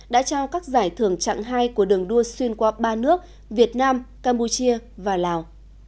đã trao các giải thưởng chặng hai của đường đua xuyên qua ba nước việt nam campuchia và lào